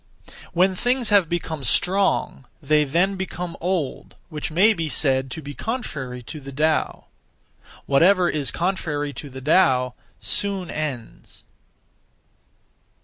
When things have become strong, they (then) become old, which may be said to be contrary to the Tao. Whatever is contrary to the Tao soon ends.